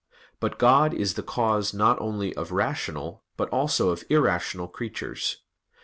But God is the cause not only of rational, but also of irrational creatures.